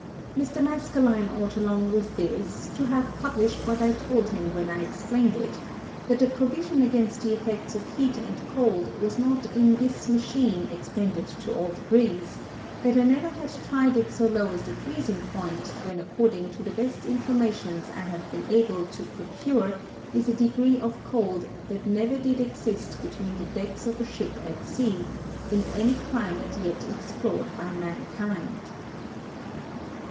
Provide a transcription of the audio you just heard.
ŌĆØ Mr. Maskelyne ought along with this, to have published what I told him when I explained it; that the Provision against the effects of Heat and Cold was not in this Machine extended to all Degrees; that I never had tryed it so low as the freezing Point, which according to the best Informations I have been able to procure is a Degree of Cold that never did exist between the Decks of a Ship at Sea, in any Climate yet explored by Mankind.